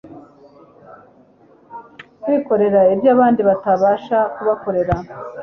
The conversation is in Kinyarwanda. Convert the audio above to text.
kwikorera ibyo abandi batabasha kubakorera.